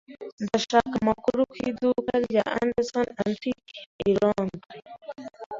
Ndashaka amakuru ku iduka rya Anderson Antique i Londres.